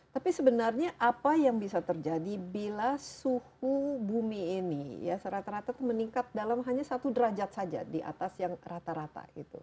tapi sebenarnya apa yang bisa terjadi bila suhu bumi ini ya serata rata meningkat dalam hanya satu derajat saja di atas yang rata rata